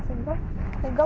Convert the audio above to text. cũng được giảm năm mươi